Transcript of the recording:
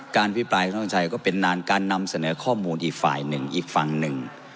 พิปรายของท่านชัยก็เป็นนานการนำเสนอข้อมูลอีกฝ่ายหนึ่งอีกฝั่งหนึ่ง